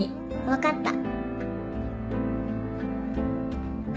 分かった。